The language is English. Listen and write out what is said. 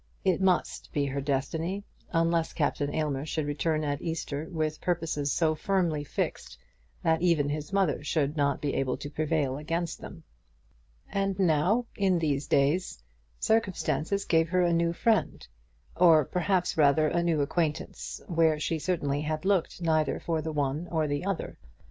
It must be her destiny, unless Captain Aylmer should return at Easter with purposes so firmly fixed that even his mother should not be able to prevail against them. And now, in these days, circumstances gave her a new friend, or perhaps, rather, a new acquaintance, where she certainly had looked neither for the one or for the other.